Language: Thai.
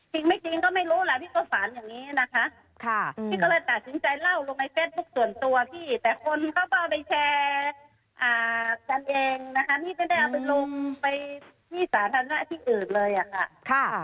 พี่ไม่ได้เอาไปลงไปที่สาธารณะที่อื่นเลยอะค่ะ